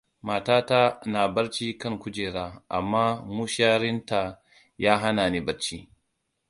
Matata na barci kan kujera, amma musharinta ya hanani barci.